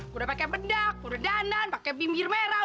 gue udah pakai pedak gue udah dandan pakai bibir merah